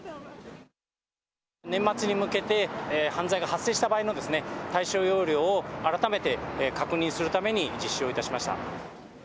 年末に向けて、犯罪が発生した場合の対処要領を改めて確認するために実施をいたしました。